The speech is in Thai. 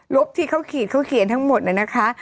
บที่เขาขีดเขาเขียนทั้งหมดนะคะ